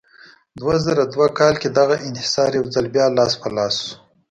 دوه زره دوه کال کې دغه انحصار یو ځل بیا لاس په لاس شو.